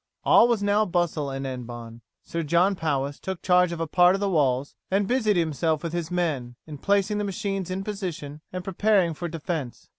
All was now bustle in Hennebon. Sir John Powis took charge of a part of the walls, and busied himself with his men in placing the machines in position, and in preparing for defence.